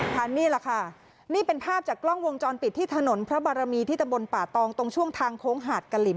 นี่แหละค่ะนี่เป็นภาพจากกล้องวงจรปิดที่ถนนพระบารมีที่ตะบนป่าตองตรงช่วงทางโค้งหาดกะหลิม